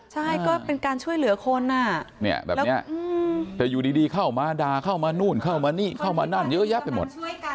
ใช่ก็เป็นการช่วยเหลือคนแบบนี้แต่อยู่ดีเข้ามาด่าเข้ามานู่นเข้ามานี่เข้ามานั่นเยอะแยะไปหมด